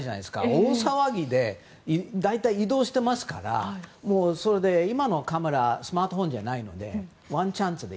大騒ぎで大体、移動してますから今のカメラのようにスマートフォンではないのでワンチャンスで。